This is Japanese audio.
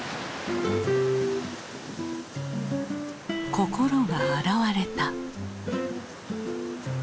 心が洗われた。